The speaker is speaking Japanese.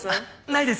ないです。